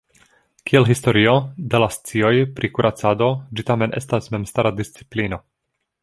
Kiel historio de la scioj pri kuracado ĝi tamen estas memstara disciplino.